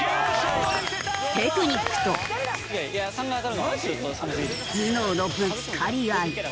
テクニックと頭脳のぶつかり合い。